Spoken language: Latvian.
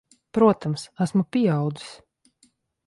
Protams. Esmu pieaudzis.